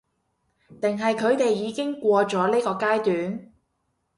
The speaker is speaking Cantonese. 定係佢哋已經過咗呢個階段？